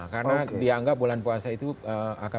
karena dianggap bulan puasa itu akan